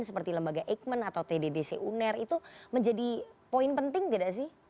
seperti lembaga eijkman atau tddc uner itu menjadi poin penting tidak sih